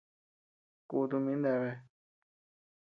Kutu min deabea.